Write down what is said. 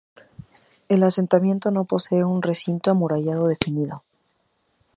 El asentamiento no posee un recinto amurallado definido.